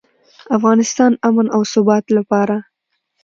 د افغانستان امن او ثبات لپاره.